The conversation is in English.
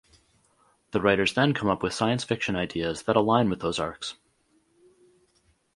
The writers then come up with science fiction ideas that align with those arcs.